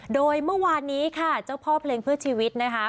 โดยเมื่อวานนี้ค่ะเจ้าพ่อเพลงเพื่อชีวิตนะคะ